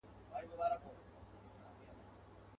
شپې ته راغله انګولا د بلاګانو.